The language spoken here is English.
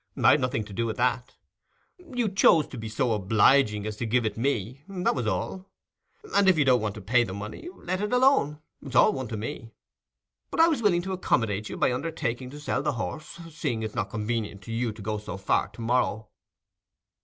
I'd nothing to do with that; you chose to be so obliging as to give it me, that was all. If you don't want to pay the money, let it alone; it's all one to me. But I was willing to accommodate you by undertaking to sell the horse, seeing it's not convenient to you to go so far to morrow."